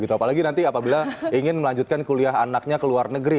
apalagi nanti apabila ingin melanjutkan kuliah anaknya ke luar negeri